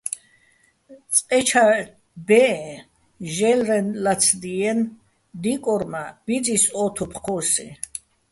წყე ჩა ბეჸეჼ, ჟე́ლრეჼ ლაცდიენი̆, დიკორ მა́ ბიძის ო თოფ ჴო́სიჼ.